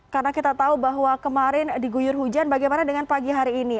karena kita tahu bahwa kemarin diguyur hujan bagaimana dengan pagi hari ini